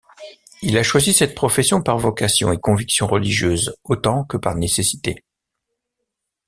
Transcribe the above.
Il a choisi cette profession par vocation et conviction religieuse autant que par nécessité.